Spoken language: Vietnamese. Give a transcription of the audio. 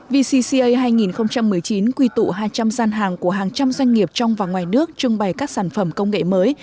vcca hai nghìn một mươi chín quy tụ hai trăm linh gian hàng của hàng trăm doanh nghiệp trong và ngoài nước trưng bày các sản phẩm công nghệ mới